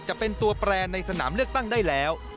จะเป็นตัวแปรในสนามเลือกตั้งได้แล้ว